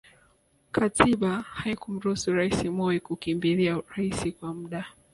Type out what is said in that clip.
Katiba haikumruhusu Rais Moi kukimbilia urais kwa muda